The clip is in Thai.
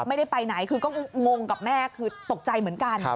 ไม่ได้ไปไหนคือก็งงกับแม่คือตกใจเหมือนกัน